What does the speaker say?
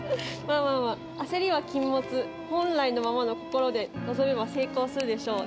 焦りは禁物、本来のままの心で臨めば成功するでしょう。